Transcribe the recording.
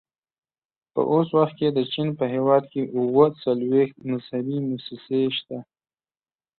په اوس وخت کې د چین په هېواد کې اووه څلوېښت مذهبي مؤسسې شته.